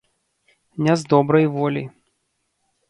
Не з добрай волі.